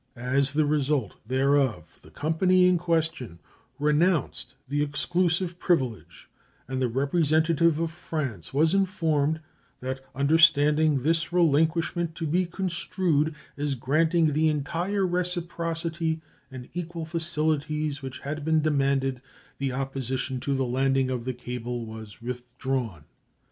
As the result thereof the company in question renounced the exclusive privilege, and the representative of France was informed that, understanding this relinquishment to be construed as granting the entire reciprocity and equal facilities which had been demanded, the opposition to the landing of the cable was withdrawn.